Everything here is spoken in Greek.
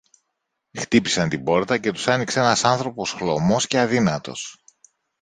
Χτύπησαν την πόρτα και τους άνοιξε ένας άνθρωπος χλωμός και αδύνατος